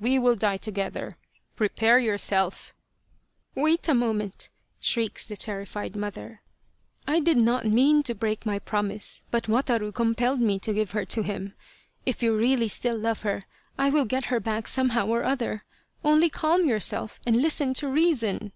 We will die together prepare yourself !"" Wait a moment !" shrieks the terrified mother. 69 The Tragedy of Kesa Gozen " I did not mean to break my promise, but Wataru compelled me to give her to him. If you really still love her I will get her back somehow or other. Only calm yourself and listen to reason."